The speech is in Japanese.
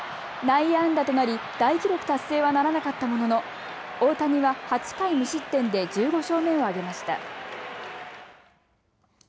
内野安打となり大記録達成はならなかったものの大谷は８回無失点で１５勝目を挙げました。